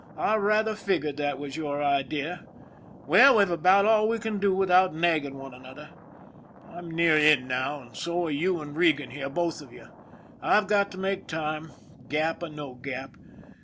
" I rather figured that was your idea. Well, we've about all we can do without nagging one another. I'm near in now, and so are you and Regan here, both of you. I've got to make time, Gap or no Gap.